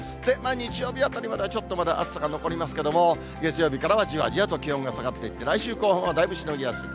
日曜日あたりまではちょっとまだ暑さが残りますけれども、月曜日からはじわじわと気温が下がっていって、来週後半はだいぶしのぎやすい。